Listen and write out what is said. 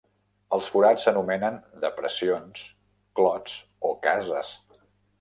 Els forats s'anomenen "depressions", "clots" o "cases".